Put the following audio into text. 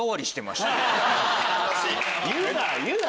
言うな！